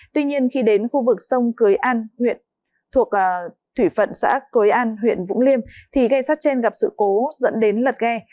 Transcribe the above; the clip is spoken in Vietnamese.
tuy nhiên khi đến khu vực sông cưới an huyện vũng liêm thì ghe sát chen gặp sự cố dẫn đến lật ghe